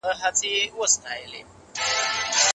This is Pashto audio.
ښځه ازارېده، چي له خاوند څخه په پيسو ځان خلاص کړي.